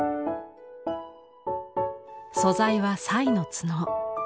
素材はサイの角。